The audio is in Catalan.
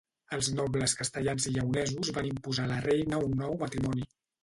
Els nobles castellans i lleonesos van imposar a la reina un nou matrimoni.